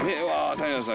谷田さん